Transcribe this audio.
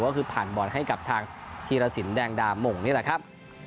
ก็คือผ่านบอลให้กับทางธีรสินแดงดาหม่งนี่แหละครับ